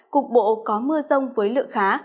cục bộ có mưa rông với lượng khá